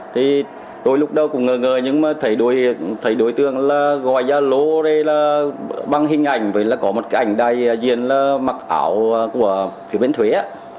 thì tôi lúc đầu cũng ngờ ngờ nhưng mà thấy đối tượng là gọi ra lô đây là bằng hình ảnh với là có một cái ảnh đài diễn là mặc ảo của phía bên thuế á